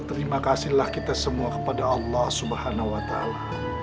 terima kasihlah kita semua kepada allah subhanahu wa ta'ala